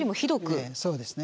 ええそうですね。